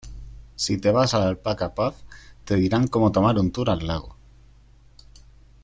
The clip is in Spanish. Si te vas al Alpaca Pub te dirán como tomar un tour al lago.